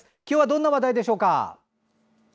今日はどんな話題でしょうか。